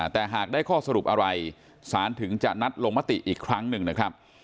แต่หากได้ข้อสรุปอะไรสารถึงจะนัดลงมติอีกครั้งหนึ่งนะครับ